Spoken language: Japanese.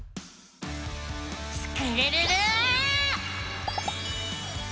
スクるるる！